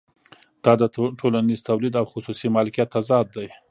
دا د ټولنیز تولید او خصوصي مالکیت تضاد دی